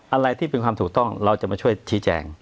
อะไรที่เป็นความถูกต้องเราจะมาช่วยชี้แจง